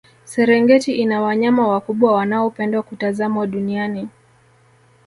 serengeti ina wanyama wakubwa wanaopendwa kutazamwa duniani